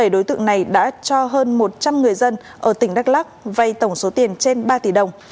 bảy đối tượng này đã cho hơn một trăm linh người dân ở tỉnh đắk lắc vay tổng số tiền trên ba tỷ đồng